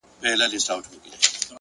اراده د وېرې دیوالونه ړنګوي!.